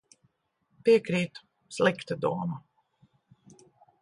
Piekrītu. Slikta doma.